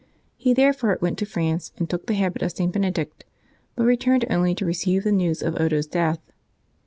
He therefore went to France and took the habit of St. Benedict, but returned, only to receive the news of Odo's death.